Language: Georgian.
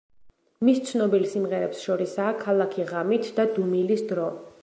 მის ცნობილ სიმღერებს შორისაა „ქალაქი ღამით“ და „დუმილის დრო“.